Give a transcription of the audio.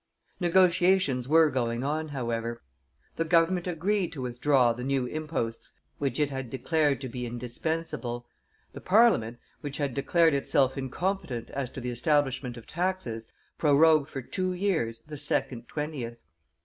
Negotiations were going on, however; the government agreed to withdraw the new imposts which it had declared to be indispensable; the Parliament, which had declared itself incompetent as to the establishment of taxes, prorogued for two years the second twentieth.